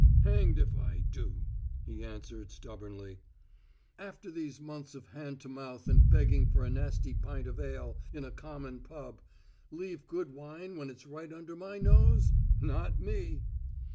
"Hanged if I do!" he answered stubbornly. "After these months of hand to mouth and begging for a nasty pint of ale in a common pub leave good wine when it's right under my nose? Not me!"